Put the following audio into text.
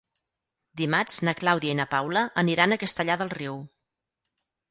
Dimarts na Clàudia i na Paula aniran a Castellar del Riu.